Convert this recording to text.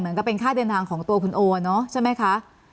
ก็เป็นค่าเดินทางของตัวคุณโอเนอะใช่ไหมคะ